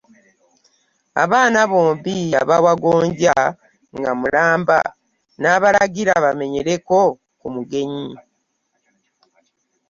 Abaana bombi yabawa gonja nga mulamba n’abalagira bamenyereko ku mugenyi.